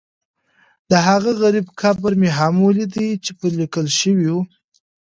دهغه غریب قبر مې هم ولیده چې پرې لیکل شوي و.